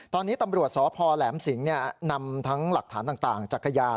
ตอนนี้ตำรวจสพแหลมสิงนำทั้งหลักฐานต่างจักรยาน